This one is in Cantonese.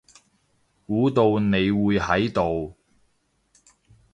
估到你會喺度